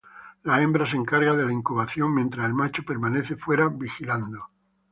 La hembra se encarga de la incubación mientras el macho permanece fuera vigilando.